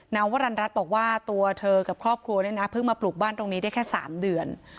วรรณรัฐบอกว่าตัวเธอกับครอบครัวเนี่ยนะเพิ่งมาปลูกบ้านตรงนี้ได้แค่๓เดือน